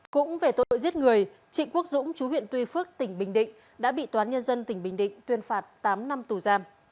cũng về tội giết người trịnh quốc dũng chú huyện tuy phước tỉnh bình định đã bị toán nhân dân tỉnh bình định tuyên phạt tám năm tù giam